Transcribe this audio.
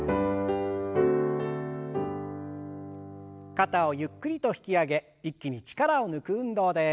肩をゆっくりと引き上げ一気に力を抜く運動です。